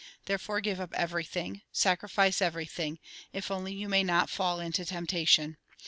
" Therefore give up everything, sacrifice every thing, if only you may not fall into temptation.